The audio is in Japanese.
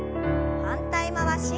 反対回し。